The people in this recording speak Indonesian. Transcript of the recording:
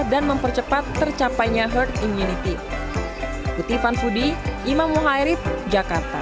dan mempercepat tercapainya herd immunity